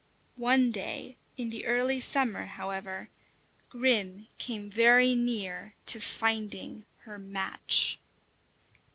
One day, in the early summer, however, Grim came very near to finding her match.